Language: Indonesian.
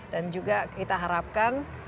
dan juga kita harapkan